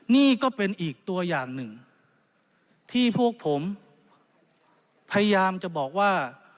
นี่ก็เป็นอีกตัวอย่างหนึ่งที่พวกผมพยายามจะบอกว่า